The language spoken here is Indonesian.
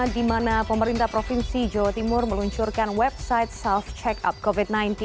di mana pemerintah provinsi jawa timur meluncurkan website self check up covid sembilan belas